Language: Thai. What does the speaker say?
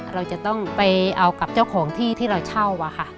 เราจะต้องไปเอากับเจ้าของที่ที่เราเช่าอะค่ะ